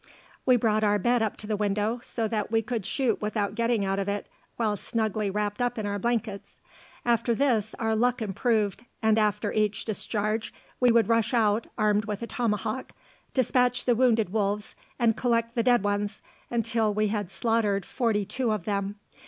We brought our bed up to the window, so that we could shoot without getting out of it, while snugly wrapped up in our blankets. After this our luck improved, and after each discharge we would rush out, armed with a tomahawk, dispatch the wounded wolves, and collect the dead ones, until we had slaughtered forty two of them.